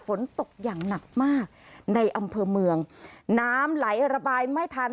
ฝนตกอย่างหนักมากในอำเภอเมืองน้ำไหลระบายไม่ทัน